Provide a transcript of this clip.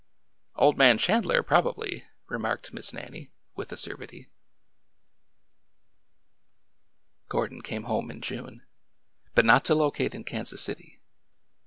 Old man Chandler, probably," remarked Miss Nan nie, with acerbity. Gordon came home in June— but not to locate in Kan sas City.